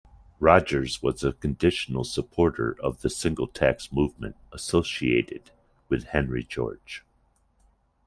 Rogers was a conditional supporter of the Single Tax Movement associated with Henry George.